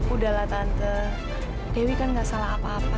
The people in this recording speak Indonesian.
udahlah tante dewi kan gak salah apa apa